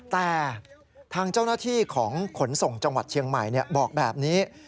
แต่ทางเจ้าหน้าที่ของขนส่งจังหวัดเชียงใหม่บอกแบบนี้